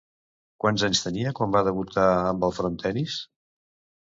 Quants anys tenia quan va debutar amb el frontenis?